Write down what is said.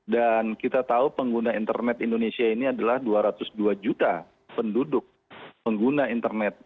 dan kita tahu pengguna internet indonesia ini adalah dua ratus dua juta penduduk pengguna internet